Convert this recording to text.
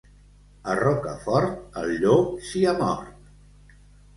A Rocafort, el llop s'hi ha mort.